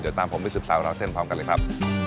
เดี๋ยวตามผมไปสืบสาวราวเส้นพร้อมกันเลยครับ